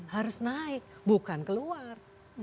harus naik bukan keluar